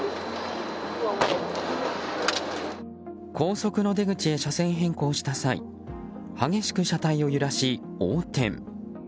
高速の出口へ車線変更した際激しく車体を揺らし、横転。